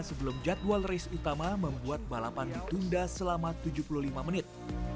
sebelum jadwal race utama membuat balapan ditunda selama tujuh puluh lima menit